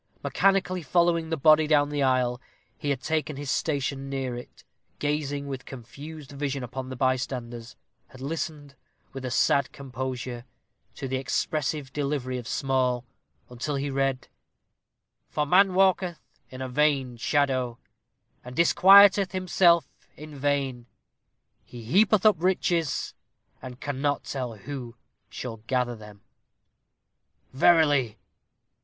Mechanically following the body down the aisle, he had taken his station near it, gazing with confused vision upon the bystanders; had listened, with a sad composure, to the expressive delivery of Small, until he read "_For man walketh in a vain shadow, and disquieteth himself in vain; he heapeth up riches, and cannot tell who shall gather them._" "Verily!"